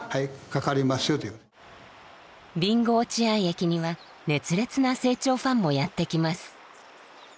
備後落合駅には熱烈な清張ファンもやって来ます。